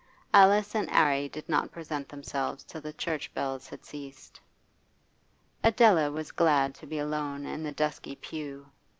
Alice and 'Arry did not present themselves till the church bells had ceased. Adela was glad to be alone in the dusky pew.